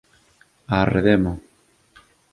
Arre demo!